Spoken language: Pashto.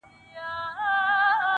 پر کومي لوري حرکت وو حوا څه ډول وه~